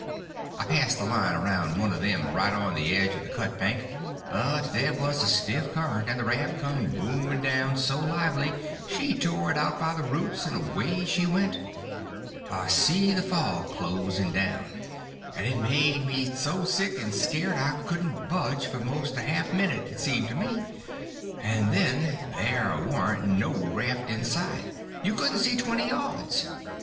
I passed the line around one of them right on the edge of the cut bank, but there was a stiff current, and the raft come booming down so lively she tore it out by the roots and away she went. I see the fog closing down, and it made me so sick and scared I couldn't budge for most a half a minute it seemed to me—and then there warn't no raft in sight; you couldn't see twenty yards.